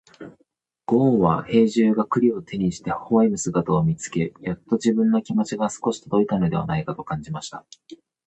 ごんは兵十が栗を手にして微笑む姿を見つけ、やっと自分の気持ちが少し届いたのではないかと感じました。